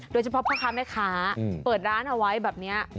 โดยเฉพาะพ่อค้าแม่ค้าเปิดร้านเอาไว้แบบนี้